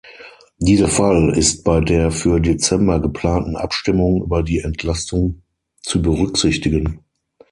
Dieser Fall ist bei der für Dezember geplanten Abstimmung über die Entlastung zu berücksichtigen.